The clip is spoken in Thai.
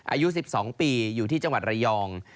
อายุ๑๒ปีอยู่ที่จังหวัดระยอง